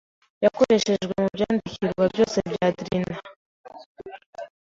yakoreshejwe mubyandikirwa byose bya Drinan